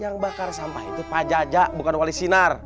yang bakar sampah itu pak jaja bukan wali sinar